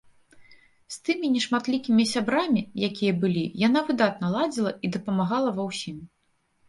З тымі нешматлікімі сябрамі, якія былі, яна выдатна ладзіла і дапамагала ва ўсім.